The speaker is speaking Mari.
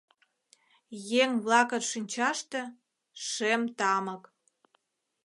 Еҥ-влакын шинчаште — Шем тамык.